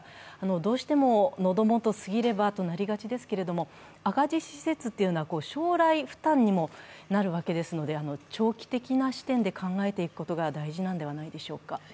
どうしても喉元過ぎればとなりがちですけれども、赤字施設というのは将来負担にもなるわけですので、長期的な視点で考えていくことが大事ではないでしょうか。